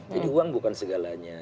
jadi uang bukan segalanya